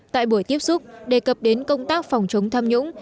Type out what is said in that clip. tại buổi tiếp xúc đề cập đến công tác phòng chống tham nhũng